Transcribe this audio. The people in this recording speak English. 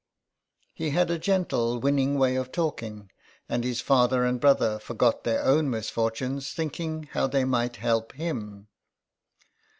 He had a gentle, winning way of talking, and hss father and brother forgot their own misfon unes thinking how they mrghc help him.